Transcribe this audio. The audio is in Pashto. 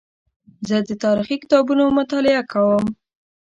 زه د تاریخي کتابونو مطالعه کوم.